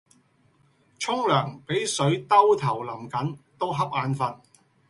沖涼比水兜頭淋緊都恰眼瞓